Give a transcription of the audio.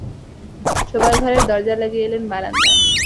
শোবার ঘরের দরজা লাগিয়ে এলেন বারান্দায়।